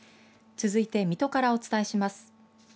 続いて、水戸からお伝えします。